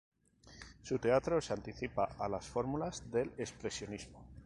Su teatro se anticipa a las fórmulas del Expresionismo.